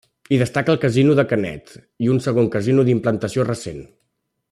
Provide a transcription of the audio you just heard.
Hi destaca el Casino de Canet, i un segon casino d'implantació recent.